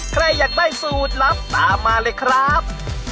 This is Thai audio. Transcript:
ใครอยากได้สูตรลับตามมาเลยครับ